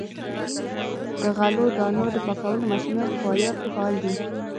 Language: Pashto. د غلو دانو د پاکولو ماشینونه په فاریاب کې فعال دي.